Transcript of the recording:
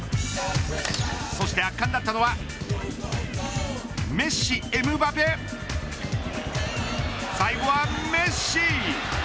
そして圧巻だったのはメッシ、エムバペ最後はメッシ。